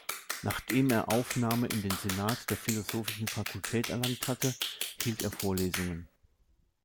Nachdem er Aufnahme in den Senat der philosophischen Fakultät erlangt hatte, hielt er Vorlesungen.